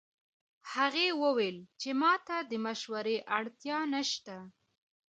هغې وویل چې ما ته د مشورې اړتیا نه شته